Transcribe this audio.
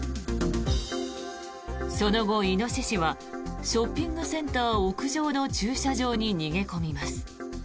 その後、イノシシはショッピングセンター屋上の駐車場に逃げ込みます。